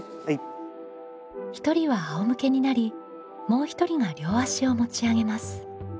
１人は仰向けになりもう一人が両足を持ち上げます。